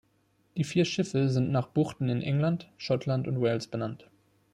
Die vier Schiffe sind nach Buchten in England, Schottland und Wales benannt.